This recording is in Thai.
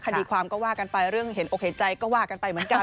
คดีความก็ว่ากันไปเรื่องเห็นอกเห็นใจก็ว่ากันไปเหมือนกัน